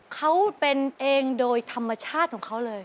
เขาเป็นเองโดยธรรมชาติของเขาเลย